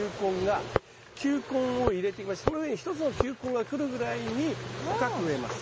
その上に１つの球根がくるぐらいに深く植えます。